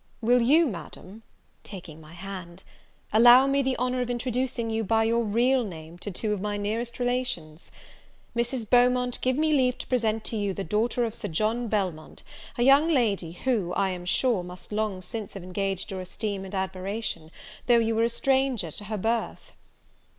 Will you, Madam (taking my hand), allow me the honour of introducing you, by your real name, to two of my nearest relations? Mrs. Beaumont, give me leave to present to you the daughter of Sir John Belmont, a young lady who, I am sure, must long since have engaged your esteem and admiration, though you were a stranger to her birth."